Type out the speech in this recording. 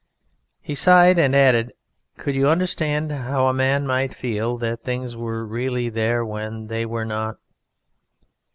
He sighed, and added: "Could you understand how a man might feel that things were really there when they were not?"